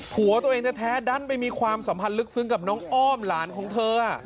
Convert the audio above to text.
ผัวตัวเองแท้ดันไปมีความสัมพันธ์ลึกซึ้งกับน้องอ้อมหลานของเธอ